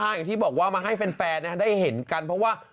อย่างที่บอกว่ามาให้แฟนได้เห็นกันเพราะว่า